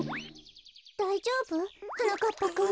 だいじょうぶ？はなかっぱくん。